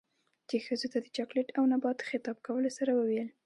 ،چـې ښـځـو تـه د چـاکـليـت او نـبات خـطاب کـولـو سـره وويل.